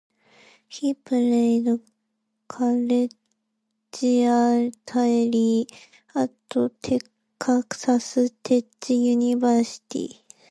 He played collegiately at Texas Tech University.